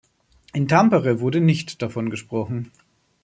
In Tampere wurde nicht davon gesprochen.